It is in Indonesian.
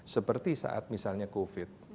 seperti saat misalnya covid